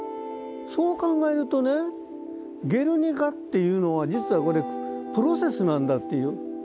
そう考えるとね「ゲルニカ」っていうのは実はこれプロセスなんだという。